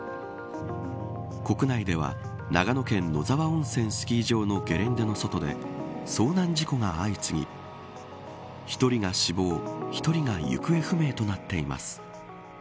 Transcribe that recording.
国内では長野県野沢温泉スキー場のゲレンデの外で遭難事故が相次ぎ１人が死亡１人が行方不明となっています。